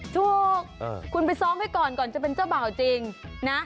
ถูกคุณไปซ้อมให้ก่อนก่อนจะเป็นเจ้าบ่าวจริงนะ